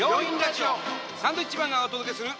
サンドウィッチマンがお届けする。